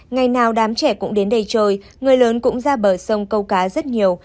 ngày nào đám trẻ cũng đến đây trời người lớn cũng ra bờ sông câu cá rất nhiều